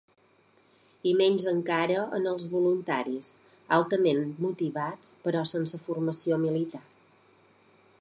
I menys encara en els voluntaris, altament motivats però sense formació militar.